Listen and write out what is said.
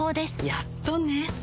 やっとね